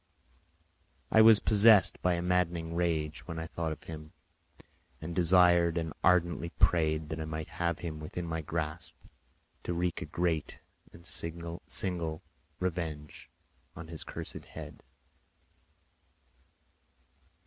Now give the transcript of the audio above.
I was possessed by a maddening rage when I thought of him, and desired and ardently prayed that I might have him within my grasp to wreak a great and signal revenge on his cursed head.